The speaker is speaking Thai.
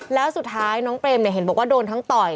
แล้วสุดท้ายน้องเปรมเนี่ยเห็นบอกว่าโดนทั้งต่อย